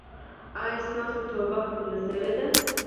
ایا ستاسو توبه قبوله شوې ده؟